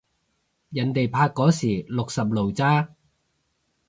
人哋拍嗰時六十路咋